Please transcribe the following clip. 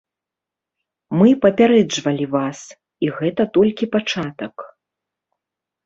Мы папярэджвалі вас, і гэта толькі пачатак.